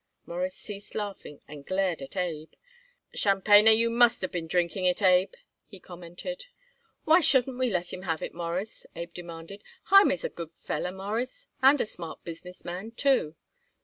Morris ceased laughing and glared at Abe. "Tchampanyer you must have been drinking it, Abe," he commented. "Why shouldn't we let him have it, Mawruss?" Abe demanded. "Hymie's a good feller, Mawruss, and a smart business man, too."